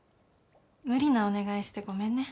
無理なお願いしてごめんね。